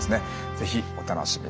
是非お楽しみに。